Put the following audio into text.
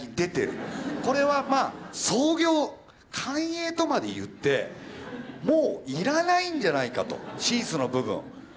これはまあ「創業寛永」とまで言ってもう要らないんじゃないかと「Ｓｉｎｃｅ」の部分。